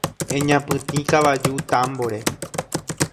Eñapytĩ kavaju támbore.